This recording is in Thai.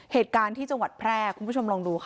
เหตุการณ์ที่จังหวัดแพร่คุณผู้ชมลองดูค่ะ